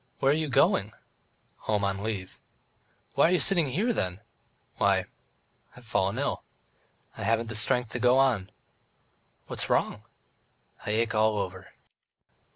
"Where are you going?" "Home on leave." "Why are you sitting here, then?" "Why ... I have fallen ill ... I haven't the strength to go on." "What is wrong?" "I ache all over."